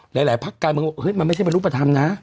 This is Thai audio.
หลายภาคการเมืองบอกว่ามันไม่ใช่บริษัทธรรมนะ